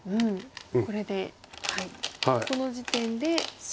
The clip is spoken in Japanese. これでこの時点で。